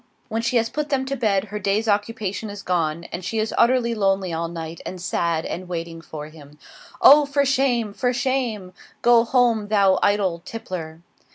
When she has put them to bed, her day's occupation is gone; and she is utterly lonely all night, and sad, and waiting for him. Oh, for shame! Oh, for shame! Go home, thou idle tippler.